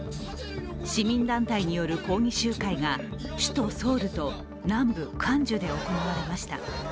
市民団体による抗議集会が首都ソウルと南部クワンジュで行われました。